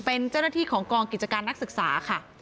เป็นเจ้าหน้าที่ของกองกิจการนักศึกษาค่ะ